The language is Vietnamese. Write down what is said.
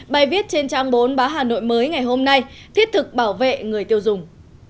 bài viết trên trang bốn báo hà nội mới ngày hôm nay thiết thực bảo vệ người tiêu dùng